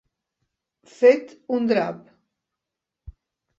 Fet un drap.